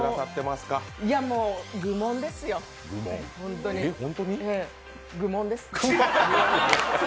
愚問ですよ、愚問です。